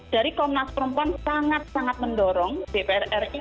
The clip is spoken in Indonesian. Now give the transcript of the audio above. dari komnas perempuan sangat sangat mendorong dpr ri